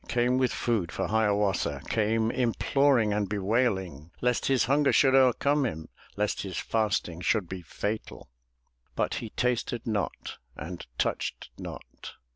Came with food for Hiawatha, Came imploring and bewailing. Lest his hunger should overcome him, Lest his fasting should be fatal. But he tasted not, and touched not.